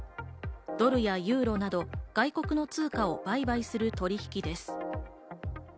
ドルやユーロなど外国の通貨を売買する取引です。